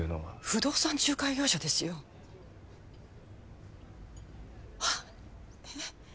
不動産仲介業者ですよはっええ？